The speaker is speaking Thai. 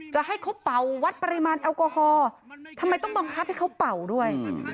จะให้เขาเป่าวัดปริมาณแอลกอฮอล์ทำไมต้องบังคับให้เขาเป่าด้วย